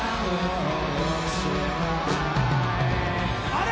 あれ？